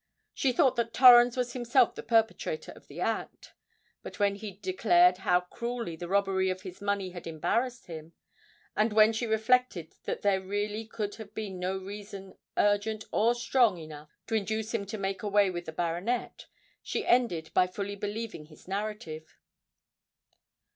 She thought that Torrens was himself the perpetrator of the act; but when he declared how cruelly the robbery of his money had embarrassed him, and when she reflected that there really could have been no reason urgent or strong enough to induce him to make away with the baronet, she ended by fully believing his narrative.